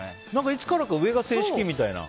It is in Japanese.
いつからか上が正式みたいな。